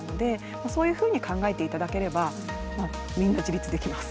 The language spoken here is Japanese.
そういうふうに考えて頂ければみんな自立できます。